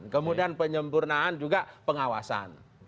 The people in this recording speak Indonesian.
kemudian penyempurnaan juga pengawasan